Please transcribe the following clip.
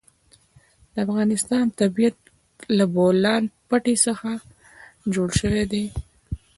د افغانستان طبیعت له د بولان پټي څخه جوړ شوی دی.